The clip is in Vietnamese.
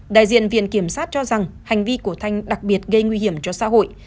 đại diện viện kiểm sát cho rằng hành vi của thanh đặc biệt gây nguy hiểm cho xã hội